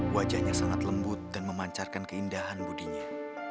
wajahnya sangat lembut dan memancarkan keindahan budinya